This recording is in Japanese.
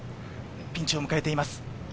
ピンチを迎えています。